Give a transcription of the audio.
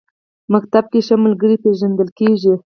ښوونځی کې ښه ملګري پېژندل کېږي